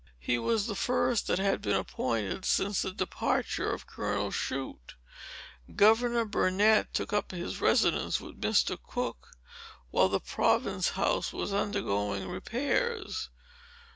He was the first that had been appointed since the departure of Colonel Shute. Governor Burnet took up his residence with Mr. Cooke, while the Province House was undergoing repairs.